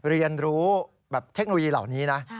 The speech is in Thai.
เรียนรู้แบบเทคโนโลยีเหล่านี้นะ